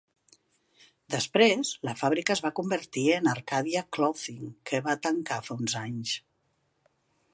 Després, la fàbrica es va convertir en Arcadia Clothing, que va tancar fa uns anys.